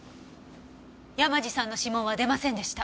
山路さんの指紋は出ませんでした。